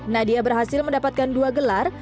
nadia berhasil mendapatkan dua gelar